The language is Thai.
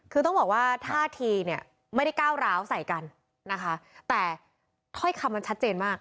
คือต้องบอกว่าท่าทีเนี่ยไม่ได้ก้าวร้าวใส่กันนะคะแต่ถ้อยคำมันชัดเจนมาก